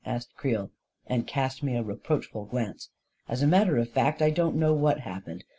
" asked Creel, and cast me a reproachful glance. "As a matted of fact, I don't know what happened.